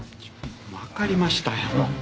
わかりましたよ。